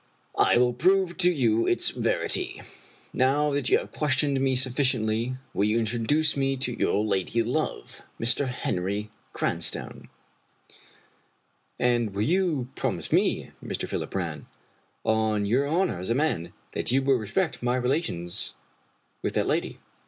I will prove to you its verity. Now that you have questioned me suffi ciently, will you introduce me to your lady love, Mr. Henry Cranstoun?" " And will you promise me, Mr. Philip Brann, on your honor as a man, that you will respect my relations with that lady?"